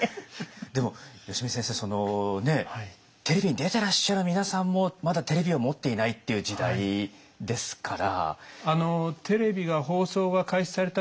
でも吉見先生そのテレビに出てらっしゃる皆さんもまだテレビを持っていないっていう時代ですから。